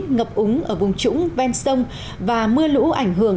ngập úng ở vùng trũng ven sông và mưa lũ ảnh hưởng